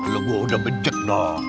lo gue udah becek dong